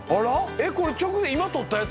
えっこれ直前今撮ったやつ？